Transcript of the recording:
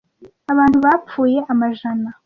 Abantu bapfuye amajana.